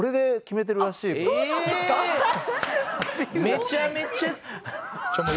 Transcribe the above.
めちゃめちゃ。